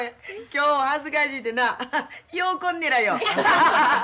今日は恥ずかしいてなよう来んねらよ。